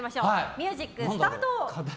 ミュージックスタート！